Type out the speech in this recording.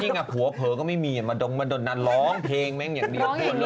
แล้วก็มากับเมศถุนก็ได้